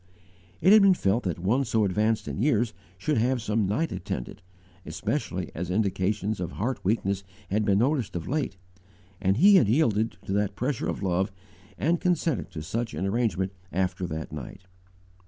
It had been felt that one so advanced in years should have some night attendant, especially as indications of heart weakness had been noticed of late, and he had yielded to the pressure of love and consented to such an arrangement _after that night.